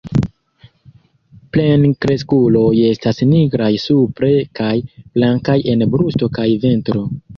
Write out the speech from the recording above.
Plenkreskuloj estas nigraj supre kaj blankaj en brusto kaj ventro.